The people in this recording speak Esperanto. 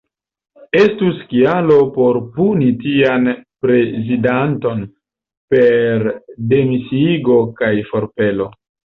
Estus kialo por puni tian prezidanton per demisiigo kaj forpelo.